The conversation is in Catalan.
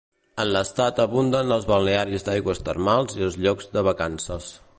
En l'estat abunden els balnearis d'aigües termals i els llocs de vacances.